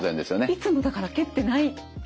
いつもだから蹴ってないかも。